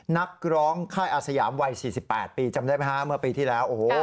นักร้องค่ายอาสยามวัย๔๘ปีจำได้ไหมฮะเมื่อปีที่แล้ว